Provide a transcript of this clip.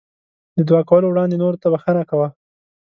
د دعا کولو وړاندې نورو ته بښنه کوه.